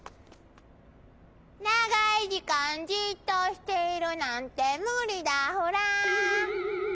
ながいじかんじっとしているなんてむりだフラ。